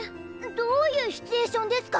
どういうシチュエーションですか？